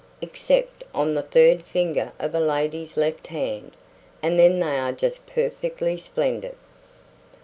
"Except on the third finger of a lady's left hand; and then they are just perfectly splendid!"